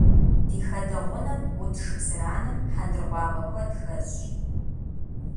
Ди хадэ гъунэм Ӏут шыпсыранэм хьэндыркъуакъуэ куэд хэсщ.